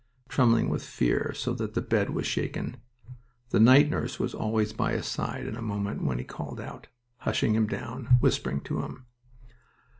trembling with fear, so that the bed was shaken. The night nurse was always by his side in a moment when he called out, hushing him down, whispering to him.